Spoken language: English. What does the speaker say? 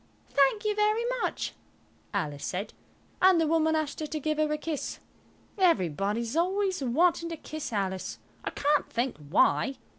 "Thank you very much," Alice said, and the woman asked her to give her a kiss. Everybody is always wanting to kiss Alice. I can't think why.